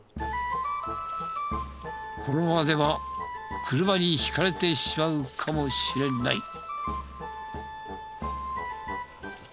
このままでは車にひかれてしまうかもしれない。